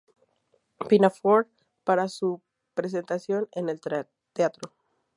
Pinafore" para su presentación en el teatro.